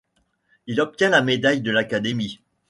Il obtient la médaille de l'Académie.